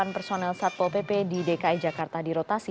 tiga enam ratus empat puluh delapan personel satpol pp di dki jakarta dirotasi